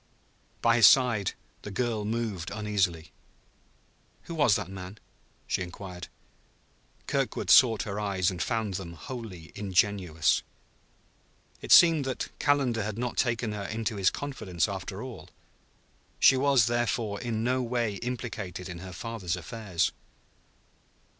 By his side the girl moved uneasily. "Who was that man?" she inquired. Kirkwood sought her eyes, and found them wholly ingenuous. It seemed that Calendar had not taken her into his confidence, after all. She was, therefore, in no way implicated in her father's affairs.